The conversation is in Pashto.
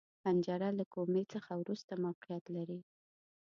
حنجره له کومي څخه وروسته موقعیت لري.